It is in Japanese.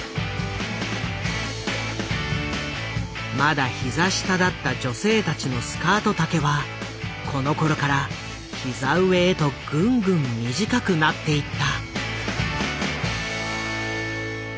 まだ膝下だった女性たちのスカ―ト丈はこのころから膝上へとぐんぐん短くなっていった。